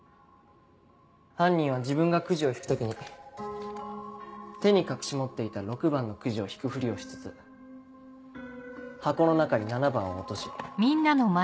犯人は自分がくじを引く時に手に隠し持っていた６番のくじを引くふりをしつつ箱の中に７番を落とし。